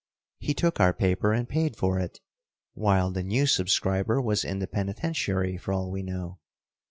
He took our paper and paid for it, while the new subscriber was in the penitentiary for all we know.